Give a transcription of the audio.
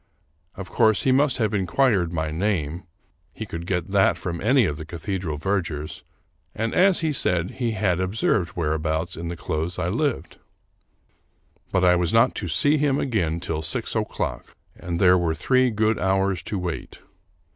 Of course, he must have inquired my name — he could get that from any of the cathedral vergers — and, as he said, he had observed whereabouts in the close I lived. But I was not to see him again till six o'clock, and there were three good hours to wait.